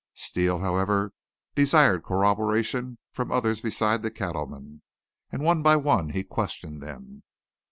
Steele, however, desired corroboration from others beside the cattleman, and one by one he questioned them.